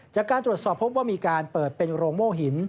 จากการตรวจสอบพบว่ามีการเปิดเป็นโรงโม่หิน